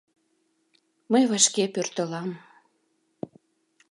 Мый вашке пӧртылам.